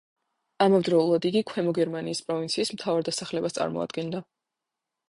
ამავდროულად იგი ქვემო გერმანიის პროვინციის მთავარ დასახლებას წარმოადგენდა.